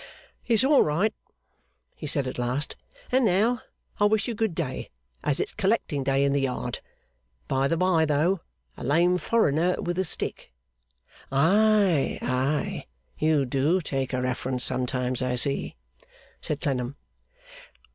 'It's all right,' he said at last, 'and now I'll wish you good day, as it's collecting day in the Yard. By the bye, though. A lame foreigner with a stick.' 'Ay, ay. You do take a reference sometimes, I see?' said Clennam.